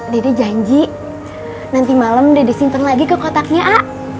dede janji nanti malem dede simpen lagi ke kotaknya a